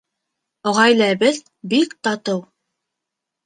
Ғаиләбеҙ бик татыу